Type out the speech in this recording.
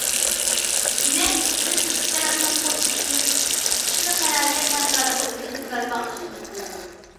دېمەك، بىز ئىككى تەرەپنىڭ قول تۇتۇشۇپ قىشلىق تەنھەرىكەت ھەمكارلىقى ئۈلگىسىنى بەرپا قىلىشنى ئۈمىد قىلىمىز.